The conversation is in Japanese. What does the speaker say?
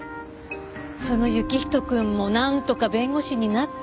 その行人くんもなんとか弁護士になって。